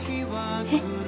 えっ？